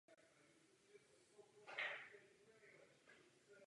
Ke skladbám City of Heroes a Walk on Water byly natočeny videoklipy.